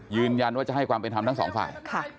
ยืนยันว่าจะให้ความเป็นธรรมทั้งสองฝ่าย